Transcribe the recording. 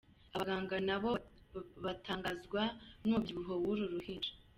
Abaganga nabo batangazwa n’umubyibuho w’uru ruhinja.